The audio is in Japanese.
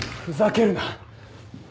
ふざけるな。